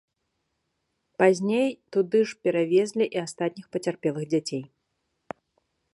Пазней туды ж перавезлі і астатніх пацярпелых дзяцей.